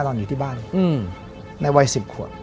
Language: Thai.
นอนอยู่ที่บ้านในวัย๑๐ขวบ